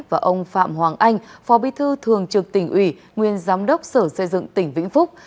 và ông phạm hoàng anh phó bí thư thường trực tỉnh ủy nguyên giám đốc sở xây dựng tỉnh vĩnh phúc